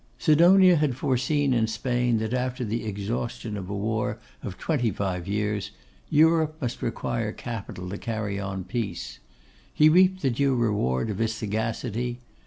Sidonia had foreseen in Spain that, after the exhaustion of a war of twenty five years, Europe must require capital to carry on peace. He reaped the due reward of his sagacity.